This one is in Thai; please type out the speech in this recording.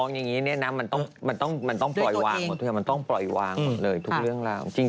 อย่างนี้นับหนังมันต้องปล่อยวางของทุกอย่าง